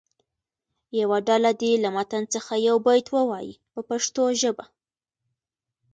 یوه ډله دې له متن څخه یو بیت ووایي په پښتو ژبه.